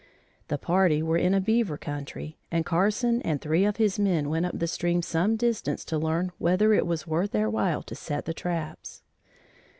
The party were in a beaver country, and Carson and three of his men went up the stream some distance to learn whether it was worth their while to set the traps.